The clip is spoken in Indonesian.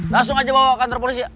langsung aja bawa kantor polisi